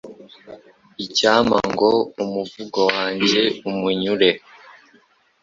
Icyampa ngo umuvugo wanjye umunyure